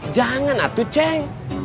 jangan atu ceng